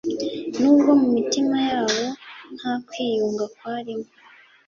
n’ubwo mu mitima yabo nta kwiyunga kwarimo